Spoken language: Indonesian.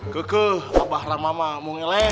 kekuh abah ramamah mungileh